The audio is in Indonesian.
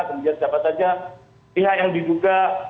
kemudian siapa saja pihak yang diduga